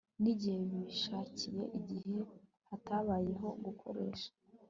nigihe bishakiye Igihe hatabayeho gukoresha